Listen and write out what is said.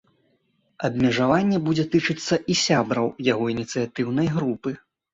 Абмежаванне будзе тычыцца і сябраў яго ініцыятыўнай групы.